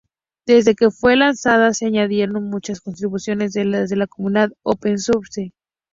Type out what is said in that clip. Desde que fue lanzada se añadieron muchas contribuciones desde la comunidad open source.